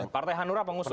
partai hanura pengusung